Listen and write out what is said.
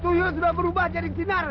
guyur sudah berubah jadi sinar